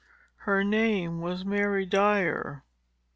Her name was Mary Dyer.